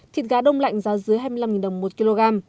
thịt gà đông lạnh giá dưới hai mươi năm đồng một kg